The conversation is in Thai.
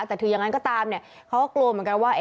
แต่ถือยังงั้นก็ตามเขากลัวเหมือนกันว่า